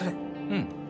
うん。